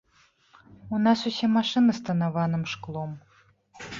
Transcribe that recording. У нас усе машыны з танаваным шклом.